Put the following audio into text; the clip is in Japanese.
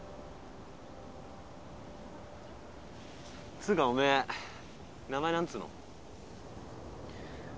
つうかおめえ名前何つうの？